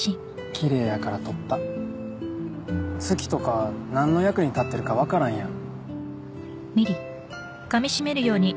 きれいやから撮った月とかなんの役に立ってるかわからんやん